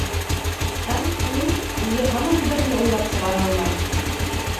Ә, ни, үҙе һаман бер ни уйлап сығара алмай.